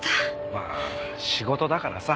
まあ仕事だからさ